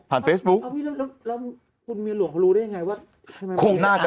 แล้วคุณเมียหลวงเขารู้ได้ยังไงว่า